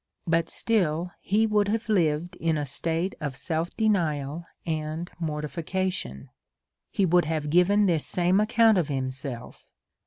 But still he would have lived in a state of self denial and mortification. He would have given this same account of himself.